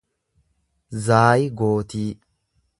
zaayigootii